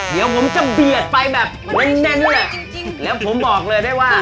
เดี๋ยวผมจะเบียดไปแบบแน่นอ่ะจริงแล้วผมบอกเลยได้ว่า